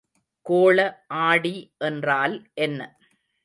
கோள ஆடி என்றால் என்ன?